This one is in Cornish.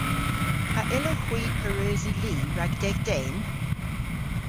A yllowgh hwi pareusi li rag deg den?